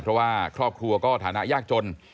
เพราะว่าครอบครัวก็ก็จริงสถานายากจน